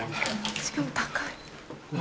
しかも高い。